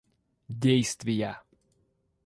действия